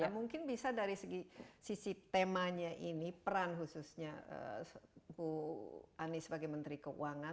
mungkin bisa dari segi sisi temanya ini peran khususnya bu anies sebagai menteri keuangan